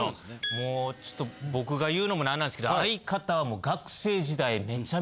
もうちょっと僕が言うのもなんなんですけど相方。